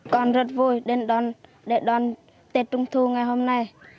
con rất vui để đón tết trung thu ngày hôm nay